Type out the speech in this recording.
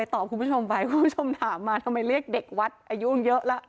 ตอบคุณผู้ชมไปคุณผู้ชมถามมาทำไมเรียกเด็กวัดอายุเยอะแล้ว